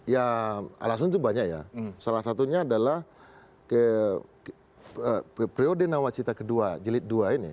ya alasan itu banyak ya salah satunya adalah periode nawacita ii jelit dua ini